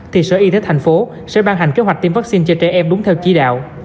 thì sở y tế tp hcm sẽ ban hành kế hoạch tiêm vaccine cho trẻ em đúng theo chỉ đạo